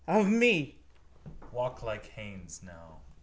Of me? Walk like Haines now.